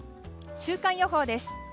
週間予報です。